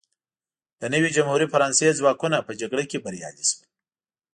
د نوې جمهوري فرانسې ځواکونه په جګړه کې بریالي شول.